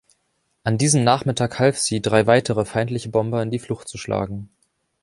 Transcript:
An diesem Nachmittag half sie, drei weitere feindliche Bomber in die Flucht zu schlagen.